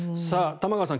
玉川さん